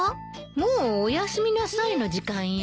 もうおやすみなさいの時間よ。